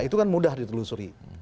itu kan mudah ditelusuri